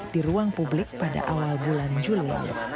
di ruang publik pada awal bulan juli lalu